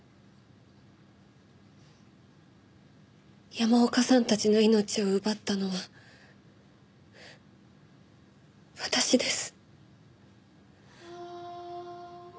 山岡さんたちの命を奪ったのは私です。